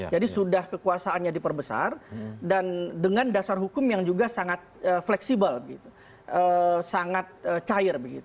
jadi sudah kekuasaannya diperbesar dan dengan dasar hukum yang juga sangat fleksibel sangat cair